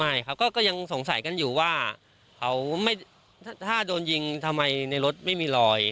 ไม่เขาก็ยังสงสัยกันอยู่ว่าเขาถ้าโดนยิงทำไมในรถไม่มีรอย